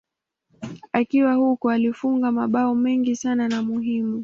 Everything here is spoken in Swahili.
Akiwa huko alifunga mabao mengi sana na muhimu.